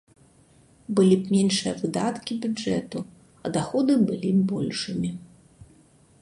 Былі б меншыя выдаткі бюджэту, а даходы былі б большымі.